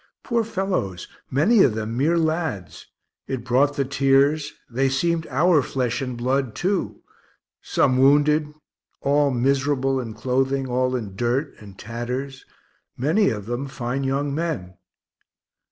Poor fellows, many of them mere lads it brought the tears; they seemed our flesh and blood too, some wounded, all miserable in clothing, all in dirt and tatters many of them fine young men.